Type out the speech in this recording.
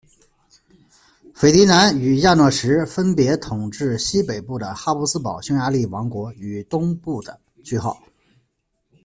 斐迪南与亚诺什分别统治西北部的哈布斯堡匈牙利王国与东部的。